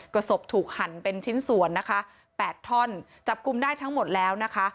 ก็ศพถูกหั่นเป็นชิ้นส่วนนะคะแปดท่อนจับกลุ่มได้ทั้งหมดแล้วนะคะ